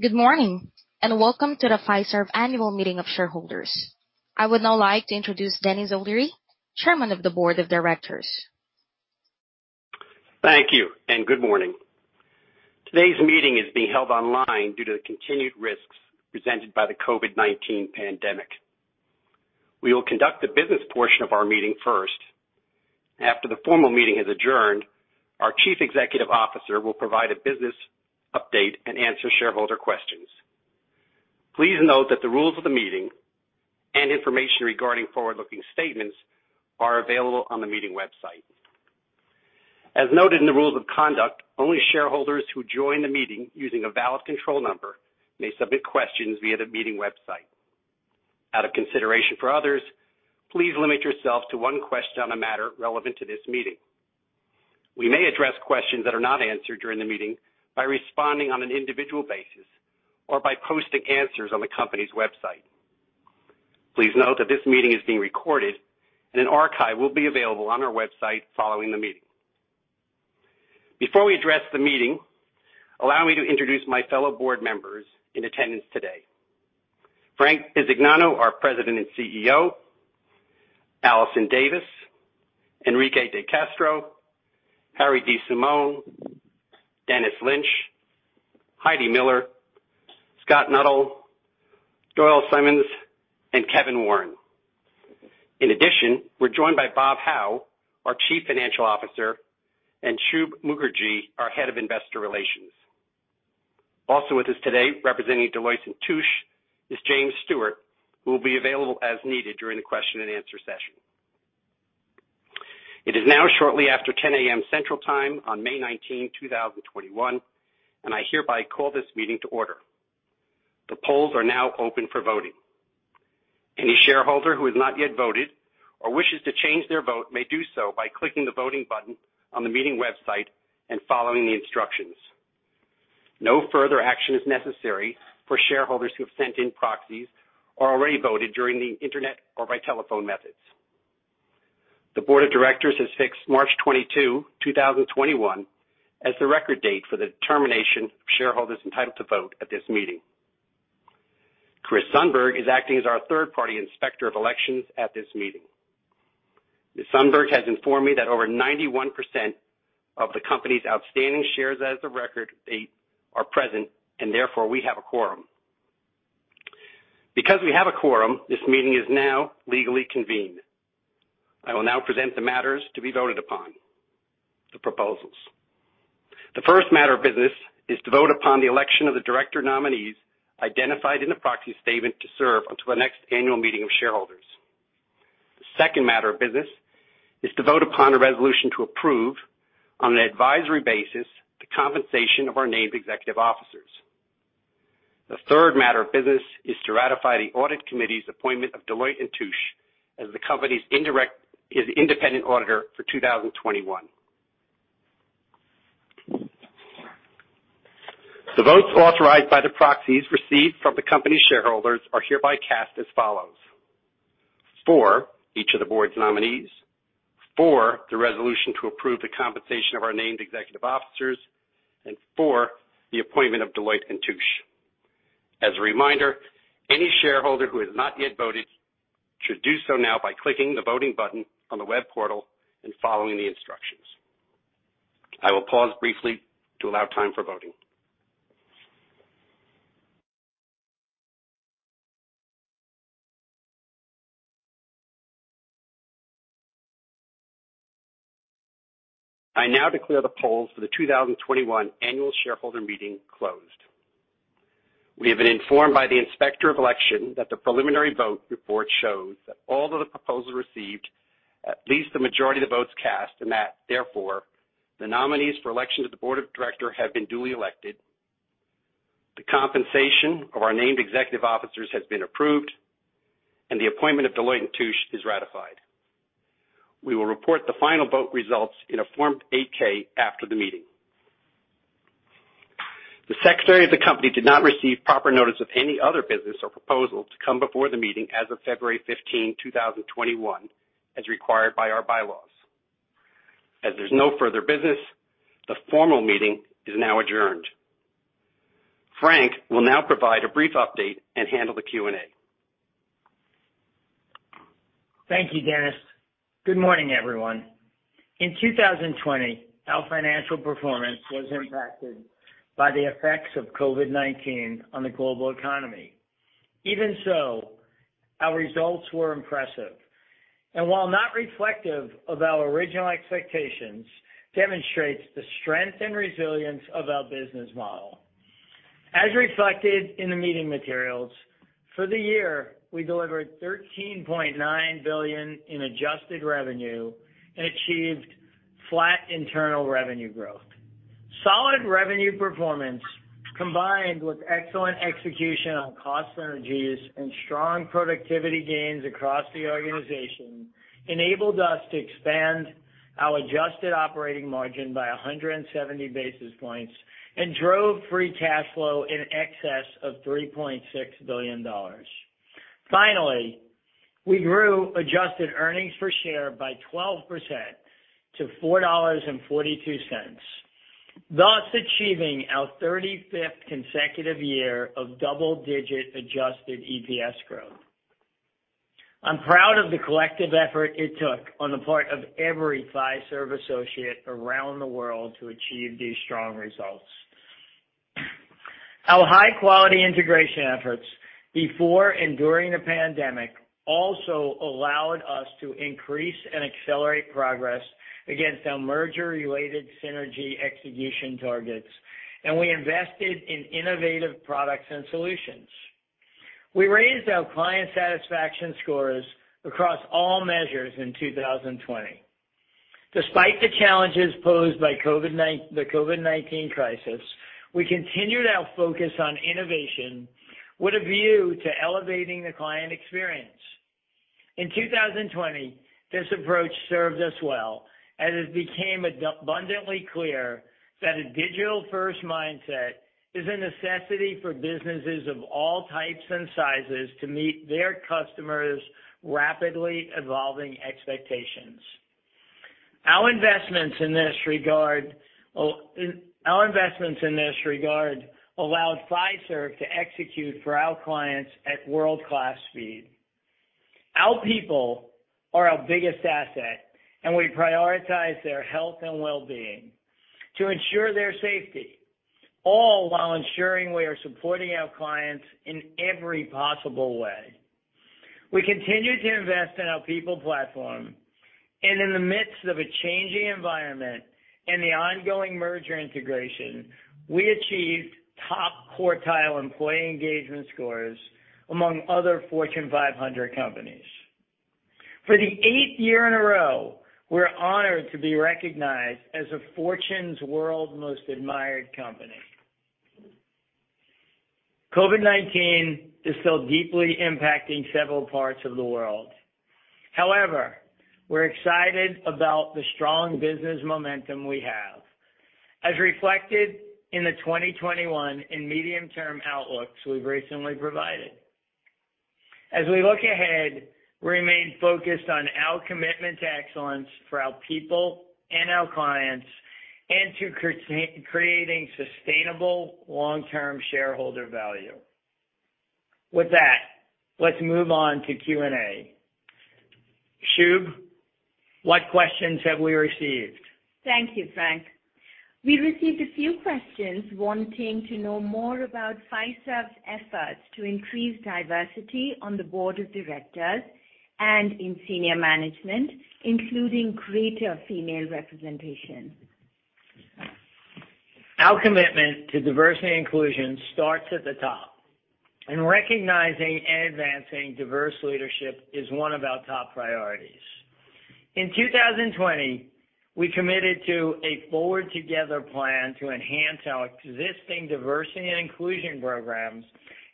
Good morning. Welcome to the Fiserv Annual Meeting of Shareholders. I would now like to introduce Denis O'Leary, Chairman of the Board of Directors. Thank you, and good morning. Today's meeting is being held online due to the continued risks presented by the COVID-19 pandemic. We will conduct the business portion of our meeting first. After the formal meeting is adjourned, our Chief Executive Officer will provide a business update and answer shareholder questions. Please note that the rules of the meeting and information regarding forward-looking statements are available on the meeting website. As noted in the rules of conduct, only shareholders who join the meeting using a valid control number may submit questions via the meeting website. Out of consideration for others, please limit yourself to one question on a matter relevant to this meeting. We may address questions that are not answered during the meeting by responding on an individual basis or by posting answers on the company's website. Please note that this meeting is being recorded, and an archive will be available on our website following the meeting. Before we address the meeting, allow me to introduce my fellow board members in attendance today. Frank Bisignano, our President and Chief Executive Officer, Alison Davis, Henrique De Castro, Harry DiSimone, Dennis Lynch, Heidi Miller, Scott Nuttall, Doyle Simons, and Kevin Warren. In addition, we're joined by Bob Hau, our Chief Financial Officer, and Shub Mukherjee, our Head of Investor Relations. Also with us today representing Deloitte & Touche is James Stewart, who will be available as needed during the question and answer session. It is now shortly after 10:00 A.M. Central Time on May 19, 2021, and I hereby call this meeting to order. The polls are now open for voting. Any shareholder who has not yet voted or wishes to change their vote may do so by clicking the voting button on the meeting website and following the instructions. No further action is necessary for shareholders who have sent in proxies or already voted during the internet or by telephone methods. The board of directors has fixed March 22, 2021, as the record date for the determination of shareholders entitled to vote at this meeting. Chris Sundberg is acting as our third-party inspector of elections at this meeting. Ms. Sundberg has informed me that over 91% of the company's outstanding shares as of the record date are present, and therefore, we have a quorum. We have a quorum, this meeting is now legally convened. I will now present the matters to be voted upon. The proposals. The first matter of business is to vote upon the election of the director nominees identified in the proxy statement to serve until the next annual meeting of shareholders. The second matter of business is to vote upon a resolution to approve, on an advisory basis, the compensation of our named executive officers. The third matter of business is to ratify the audit committee's appointment of Deloitte & Touche as the company's independent auditor for 2021. The votes authorized by the proxies received from the company's shareholders are hereby cast as follows: for each of the board's nominees, for the resolution to approve the compensation of our named executive officers, and for the appointment of Deloitte & Touche. As a reminder, any shareholder who has not yet voted should do so now by clicking the voting button on the web portal and following the instructions. I will pause briefly to allow time for voting. I now declare the polls for the 2021 Annual Shareholder Meeting closed. We have been informed by the Inspector of Elections that the preliminary vote report shows that all of the proposals received at least a majority of the votes cast and that, therefore, the nominees for election to the Board of Directors have been duly elected, the compensation of our named executive officers has been approved, and the appointment of Deloitte & Touche is ratified. We will report the final vote results in a Form 8-K after the meeting. The secretary of the company did not receive proper notice of any other business or proposals to come before the meeting as of February 15, 2021, as required by our bylaws. As there's no further business, the formal meeting is now adjourned. Frank will now provide a brief update and handle the Q&A. Thank you, Denis. Good morning, everyone. In 2020, our financial performance was impacted by the effects of COVID-19 on the global economy. Even so, our results were impressive. While not reflective of our original expectations, demonstrates the strength and resilience of our business model. As reflected in the meeting materials, for the year, we delivered $13.9 billion in adjusted revenue and achieved flat internal revenue growth. Solid revenue performance, combined with excellent execution on cost synergies and strong productivity gains across the organization, enabled us to expand our adjusted operating margin by 170 basis points and drove free cash flow in excess of $3.6 billion. Finally, we grew adjusted earnings per share by 12% to $4.42, thus achieving our 35th consecutive year of double-digit adjusted EPS growth. I'm proud of the collective effort it took on the part of every Fiserv associate around the world to achieve these strong results. Our high-quality integration efforts before and during the pandemic also allowed us to increase and accelerate progress against our merger-related synergy execution targets. We invested in innovative products and solutions. We raised our client satisfaction scores across all measures in 2020. Despite the challenges posed by the COVID-19 crisis, we continued our focus on innovation with a view to elevating the client experience. In 2020, this approach served us well as it became abundantly clear that a digital-first mindset is a necessity for businesses of all types and sizes to meet their customers' rapidly evolving expectations. Our investments in this regard allowed Fiserv to execute for our clients at world-class speed. Our people are our biggest asset. We prioritize their health and wellbeing to ensure their safety, all while ensuring we are supporting our clients in every possible way. We continue to invest in our people platform and in the midst of a changing environment and the ongoing merger integration, we achieved top-quartile employee engagement scores among other Fortune 500 companies. For the eighth year in a row, we're honored to be recognized as a Fortune's World's Most Admired Company. COVID-19 is still deeply impacting several parts of the world. However, we're excited about the strong business momentum we have, as reflected in the 2021 and medium-term outlooks we've recently provided. As we look ahead, we remain focused on our commitment to excellence for our people and our clients, and to creating sustainable long-term shareholder value. With that, let's move on to Q&A. Shub, what questions have we received? Thank you, Frank. We received a few questions wanting to know more about Fiserv's efforts to increase diversity on the board of directors and in senior management, including greater female representation. Our commitment to diversity and inclusion starts at the top, and recognizing and advancing diverse leadership is one of our top priorities. In 2020, we committed to a Forward Together plan to enhance our existing diversity and inclusion programs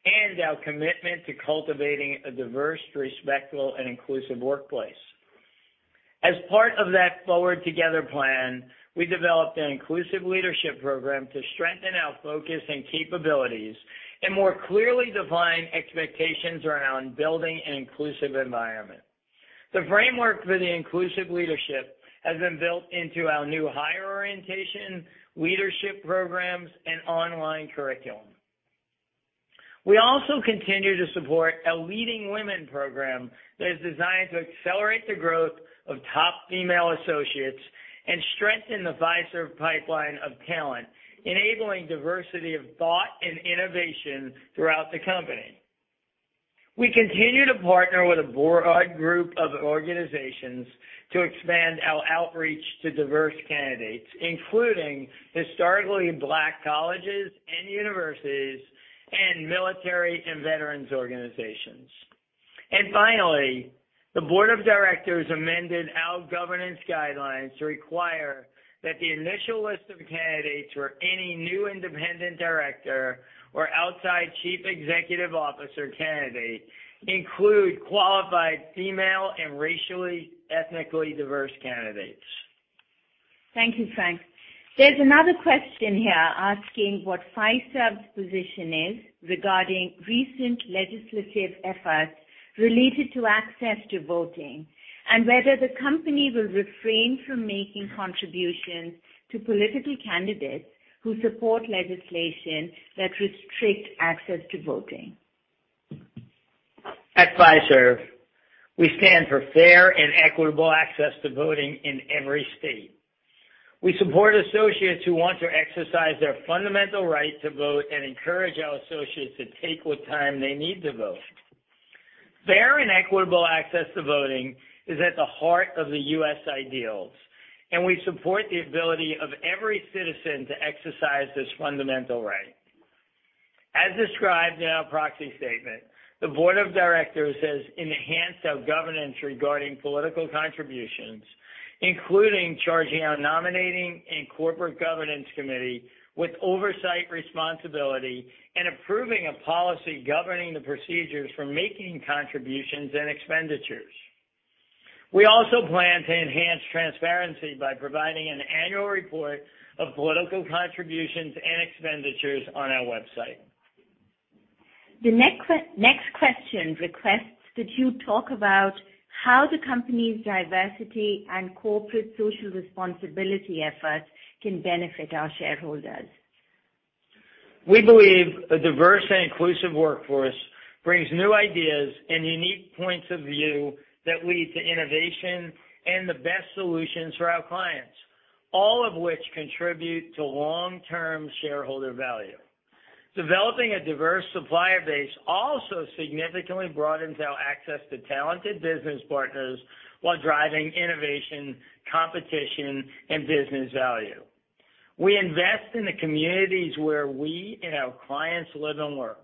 and our commitment to cultivating a diverse, respectful, and inclusive workplace. As part of that Forward Together plan, we developed an inclusive leadership program to strengthen our focus and capabilities and more clearly define expectations around building an inclusive environment. The framework for the inclusive leadership has been built into our new hire orientation, leadership programs, and online curriculum. We also continue to support a Leading Women program that is designed to accelerate the growth of top female associates and strengthen the Fiserv pipeline of talent, enabling diversity of thought and innovation throughout the company. We continue to partner with a broad group of organizations to expand our outreach to diverse candidates, including historically Black colleges and universities and military and veterans organizations. Finally, the board of directors amended our governance guidelines to require that the initial list of candidates for any new independent director or outside chief executive officer candidate include qualified female and racially, ethnically diverse candidates. Thank you, Frank. There's another question here asking what Fiserv's position is regarding recent legislative efforts related to access to voting, and whether the company will refrain from making contributions to political candidates who support legislation that restrict access to voting. At Fiserv, we stand for fair and equitable access to voting in every state. We support associates who want to exercise their fundamental right to vote and encourage our associates to take what time they need to vote. Fair and equitable access to voting is at the heart of the U.S. ideals, and we support the ability of every citizen to exercise this fundamental right. As described in our proxy statement, the board of directors has enhanced our governance regarding political contributions, including charging our nominating and corporate governance committee with oversight responsibility and approving a policy governing the procedures for making contributions and expenditures. We also plan to enhance transparency by providing an annual report of political contributions and expenditures on our website. The next question requests that you talk about how the company's diversity and corporate social responsibility efforts can benefit our shareholders. We believe a diverse and inclusive workforce brings new ideas and unique points of view that lead to innovation and the best solutions for our clients, all of which contribute to long-term shareholder value. Developing a diverse supplier base also significantly broadens our access to talented business partners while driving innovation, competition, and business value. We invest in the communities where we and our clients live and work.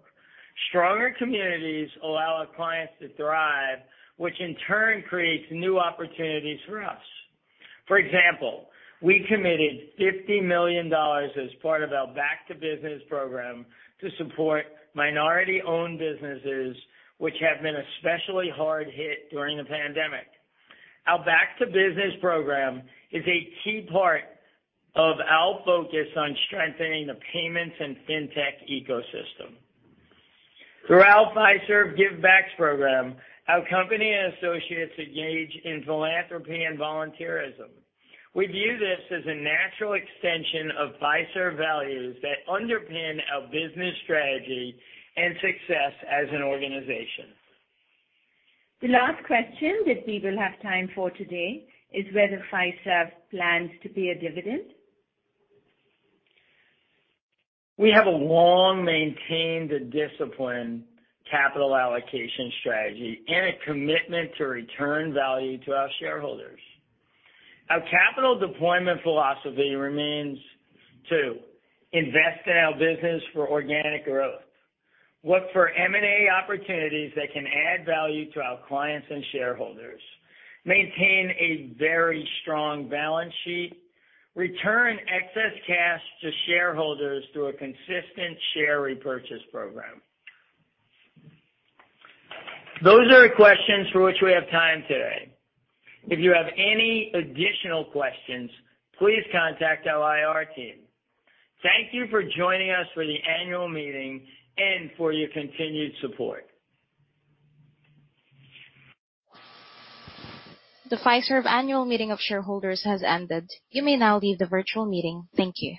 Stronger communities allow our clients to thrive, which in turn creates new opportunities for us. For example, we committed $50 million as part of our Back2Business program to support minority-owned businesses, which have been especially hard hit during the pandemic. Our Back2Business program is a key part of our focus on strengthening the payments and fintech ecosystem. Through our Fiserv Gives Back program, our company and associates engage in philanthropy and volunteerism. We view this as a natural extension of Fiserv values that underpin our business strategy and success as an organization. The last question that we will have time for today is whether Fiserv plans to pay a dividend. We have long maintained a disciplined capital allocation strategy and a commitment to return value to our shareholders. Our capital deployment philosophy remains to invest in our business for organic growth, look for M&A opportunities that can add value to our clients and shareholders, maintain a very strong balance sheet, return excess cash to shareholders through a consistent share repurchase program. Those are the questions for which we have time today. If you have any additional questions, please contact our IR team. Thank you for joining us for the annual meeting and for your continued support. The Fiserv annual meeting of shareholders has ended. You may now leave the virtual meeting. Thank you.